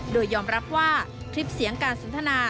โดยยอมรับว่าคลิปเสียงการสนทนา